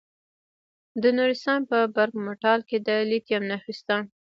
د نورستان په برګ مټال کې د لیتیم نښې شته.